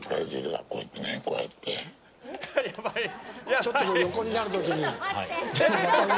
ちょっと横になる時に。